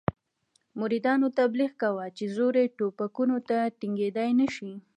مریدانو یې تبلیغ کاوه چې زور یې ټوپکونو ته ټینګېدلای نه شي.